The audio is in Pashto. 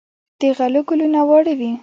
د غلو ګلونه واړه وي.